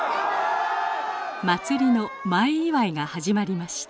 祭りの前祝いが始まりました。